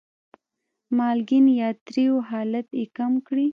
مالګین یا تریو حالت یې کم کړي.